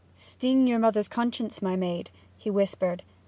'Sting your mother's conscience, my maid!' he whispered.